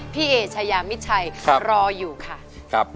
พี่เอชายามิดชัยรออยู่ค่ะ